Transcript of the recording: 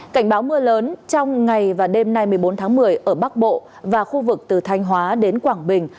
cảnh báo mưa lớn trong ngày và đêm nay một mươi bốn tháng một mươi ở bắc bộ và khu vực từ thanh hóa đến quảng bình